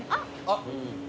あっ。